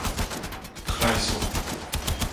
ใครสุ่ม